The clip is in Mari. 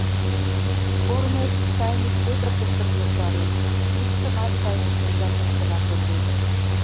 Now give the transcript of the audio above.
Корнеш чайник петыртышым йомдарен, вӱдшымат чайник пундашеш гына конден.